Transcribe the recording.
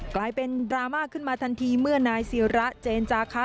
กลายเป็นดราม่าขึ้นมาทันทีเมื่อนายศิระเจนจาคะ